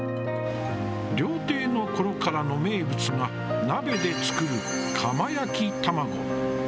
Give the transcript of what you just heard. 料亭のころからの名物が鍋で作る釜焼玉子。